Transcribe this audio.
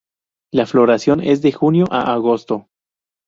La floración es de junio a agosto.